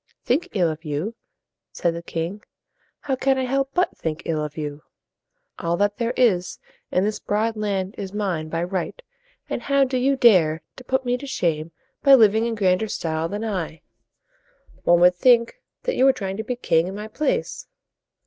"Think ill of you?" said the king. "How can I help but think ill of you? All that there is in this broad land is mine by right; and how do you dare to put me to shame by living in grander style than I? One would think that you were trying to be king in my place."